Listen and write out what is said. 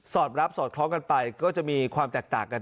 รับสอดคล้องกันไปก็จะมีความแตกต่างกัน